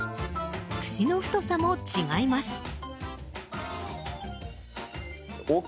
串の太さも違います。